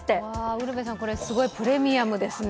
ウルヴェさん、これすごいプレミアムですね。